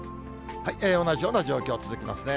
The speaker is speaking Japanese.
同じような状況、続きますね。